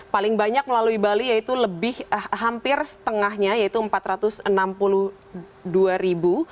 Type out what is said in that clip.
paling banyak melalui bali yaitu lebih hampir setengahnya yaitu empat ratus enam puluh dua ribu